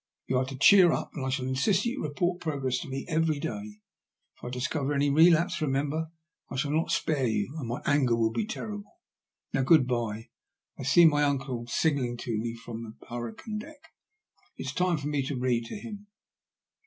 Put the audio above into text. You are to cheer up, and I shall insist that you report progress to me every day. If I discover any relapse, remember, I shall not spare you, and my anger will be terrible. Now good bye ; I see my uncle signalling to me from the hurricane deck. It is time for me to read to him."